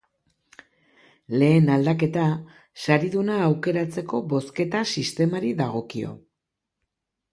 Lehen aldaketa sariduna aukeratzeko bozketa-sistemari dagokio.